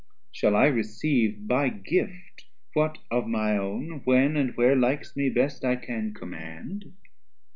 380 Shall I receive by gift what of my own, When and where likes me best, I can command?